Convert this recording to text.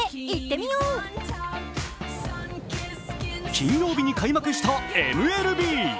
金曜日に開幕したＭＬＢ。